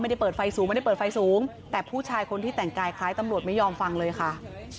ไม่ได้เปิดไฟสูงไม่ได้เปิดไฟสูงแต่ผู้ชายคนที่แต่งกายคล้ายตำรวจไม่ยอมฟังเลยค่ะ